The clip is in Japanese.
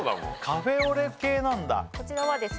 カフェオレ系なんだこちらはですね